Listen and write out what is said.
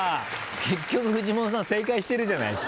結局フジモンさん正解してるじゃないですか。